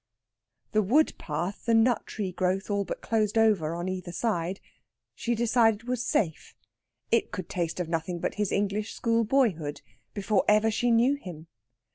The wood path the nut tree growth all but closed over on either side she decided was safe; it could taste of nothing but his English school boyhood, before ever she knew him.